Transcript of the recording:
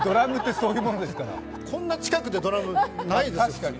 こんな近くでドラムってないですよ．